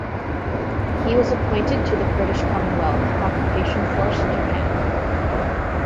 He was appointed to the British Commonwealth Occupation Force in Japan.